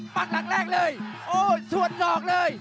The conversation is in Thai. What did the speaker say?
มันหลังแรกเลยโอ้สวนสดเลย